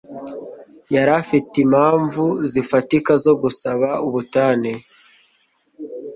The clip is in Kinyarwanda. Yari afite impamvu zifatika zo gusaba ubutane.